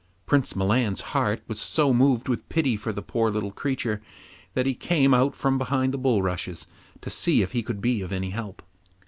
Prince Milan's heart was so moved with pity for the poor little creature that he came out from behind the bulrushes, to see if he could be of any help.